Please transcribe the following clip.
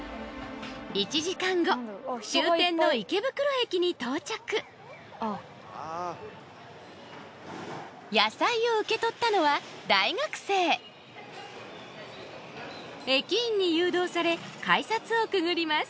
１時間後終点の池袋駅に到着野菜を受け取ったのは大学生駅員に誘導され改札をくぐります